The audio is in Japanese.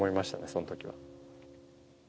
その時は。